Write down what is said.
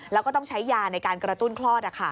แล้วก็ต้องใช้ยาในการกระตุ้นคลอด